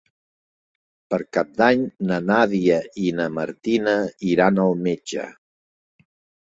Per Cap d'Any na Nàdia i na Martina iran al metge.